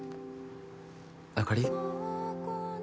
あかり？